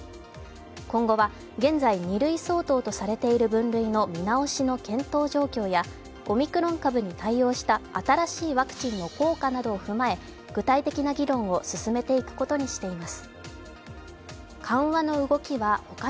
今後は現在、２類相当とされている分類の見直しの検討状況やオミクロン株に対応した新しいワクチンの効果などを踏まえ、具体的な議論を進めていくことにしています。